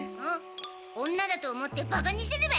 女だと思ってバカにしてるべ。